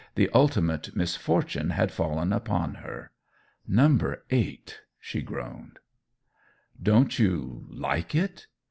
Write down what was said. the ultimate misfortune had fallen upon her. "Number eight," she groaned. "Don't you like it?"